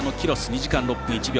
２時間６分１秒。